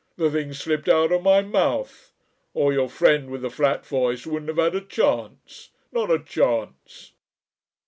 The thing slipped out of my mouth. Or your friend with, the flat voice wouldn't have had a chance. Not a chance."